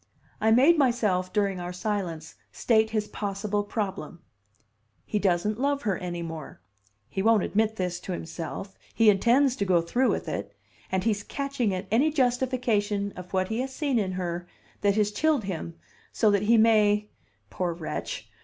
I made myself, during our silence, state his possible problem: "He doesn't love her any more, he won't admit this to himself; he intends to go through with it, and he's catching at any justification of what he has seen in her that has chilled him, so that he may, poor wretch!